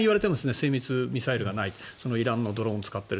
精密ミサイルがないイランのドローンを使ってる。